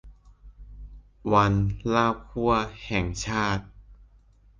วัน ลาบคั่ว แห่งชาติ